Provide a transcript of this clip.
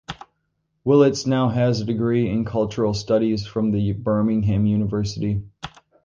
Willetts now has a degree in Cultural Studies from the Birmingham University.